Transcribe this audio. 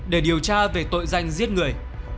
để điều tra về tội danh giết người